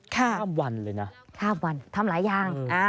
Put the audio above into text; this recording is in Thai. ข้ามวันเลยนะข้ามวันทำหลายอย่าง